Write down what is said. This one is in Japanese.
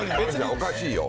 おかしいよ。